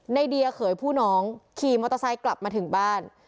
ในเดียเขยผู้น้องขี่มอเตอร์ไซค์กลับมาถึงบ้าน